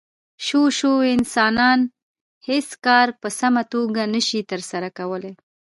شو شو انسانان هېڅ کار په سمه توګه نشي ترسره کولی.